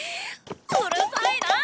うるさいなあ！